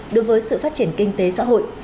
đối với sự phát triển kinh tế xã hội